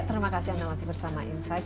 terima kasih anda masih bersama insight